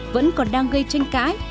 vẫn còn đang gây tranh cãi